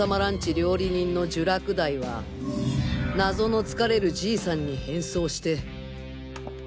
料理人の聚楽大は謎の疲れる爺さんに変装して。